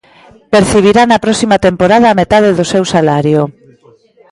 Percibirá na próxima temporada a metade do seu salario.